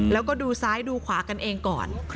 แล้วก็ดูซ้ายดูขวากันเองก่อน